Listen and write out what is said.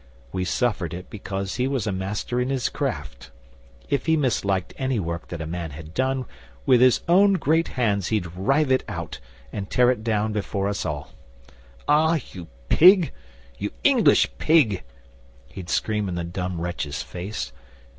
We suffered it because he was a master in his craft. If he misliked any work that a man had done, with his own great hands he'd rive it out, and tear it down before us all. "Ah, you pig you English pig!" he'd scream in the dumb wretch's face.